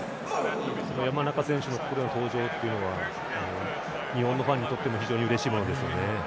山中選手がここで登場というのは日本のファンにとってもうれしいものですよね。